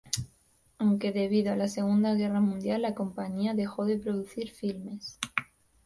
Aunque debido a la segunda guerra mundial, la compañía dejó de producir filmes.